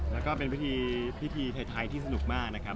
แล้วก็เป็นพิธีไทยที่สนุกมากนะครับ